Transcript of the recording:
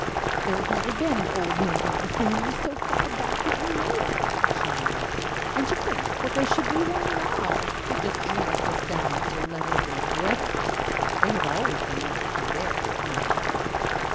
"There has never been an old maid in our family so far back as we know of," she lamented. "And to think that there should be one now! It just drags us down to the level of the McGregors. They have always been noted for their old maids."